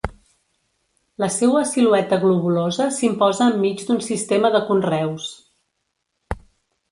La seua silueta globulosa s'imposa enmig d'un sistema de conreus.